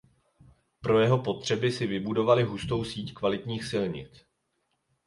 Pro jeho potřeby si vybudovali hustou síť kvalitních silnic.